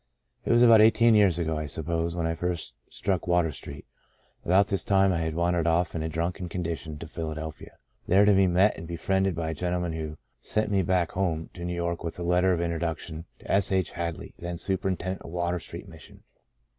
" It was about eighteen years ago, I suppose, when I first struck Water Street. About this time I had wandered off in a drunken con dition to Philadelphia, there to be met and befriended by a gentleman who sent me back home to New York with a letter of introduc tion to S. H. Hadley, then superintendent of Water Street Mission.